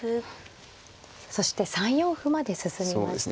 そして３四歩まで進みました。